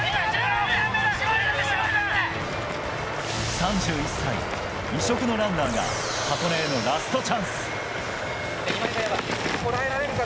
３１歳、異色のランナーが箱根へのラストチャンス。